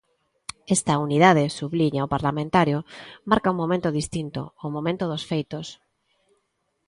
Esta "unidade", subliña o parlamentario, marca "un momento distinto", o momento "dos feitos".